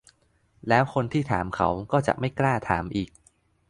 แล้วคนที่ถามเขาก็จะไม่กล้าถามอีก